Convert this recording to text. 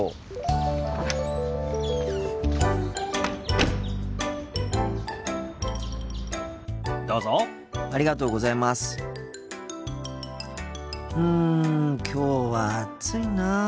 心の声ふうきょうは暑いな。